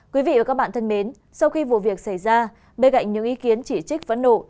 quý vị và các bạn thân mến sau khi vụ việc xảy ra bê gạnh những ý kiến chỉ trích vẫn nộ